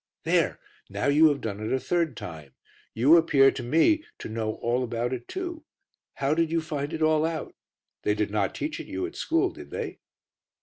"There! now you have done it a third time. You appear to me to know all about it too. How did you find it all out? They did not teach it you at school, did they?"